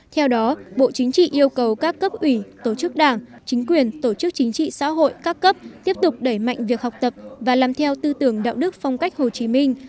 theo đó bộ chính trị yêu cầu các cấp ủy tổ chức đảng chính quyền tổ chức chính trị xã hội các cấp tiếp tục đẩy mạnh việc học tập và làm theo tư tưởng đạo đức phong cách hồ chí minh